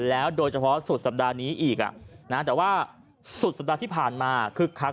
แล้วโดยเฉพาะสุดสัปดาห์นี้อีกแต่ว่าสุดสัปดาห์ที่ผ่านมาคึกคัก